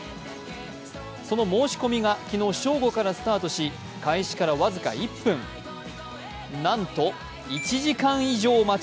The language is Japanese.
その申し込みが昨日正午からスタートし、開始から僅か１分、なんと１時間以上待ち。